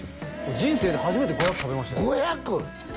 人生で初めて５００食べましたよ５００！？